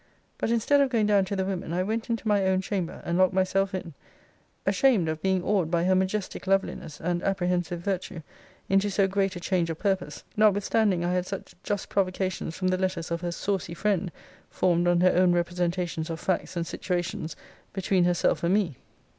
But, instead of going down to the women, I went into my own chamber, and locked myself in; ashamed of being awed by her majestic loveliness, and apprehensive virtue, into so great a change of purpose, notwithstanding I had such just provocations from the letters of her saucy friend, formed on her own representations of facts and situations between herself and me.